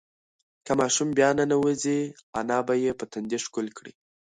که ماشوم بیا ننوځي، انا به یې په تندي ښکل کړي.